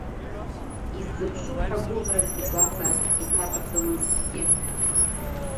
Исзыԥшуп ҳәа гәыӷрак игәаҵа иҭаҵәахымызҭгьы…